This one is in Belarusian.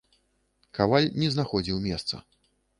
Каваль не знаходзіў месца.